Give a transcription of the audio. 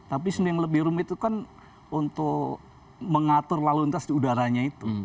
tapi yang lebih rumit itu kan untuk mengatur lalu lintas di udaranya itu